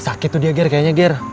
sakit tuh dia ger kayaknya gear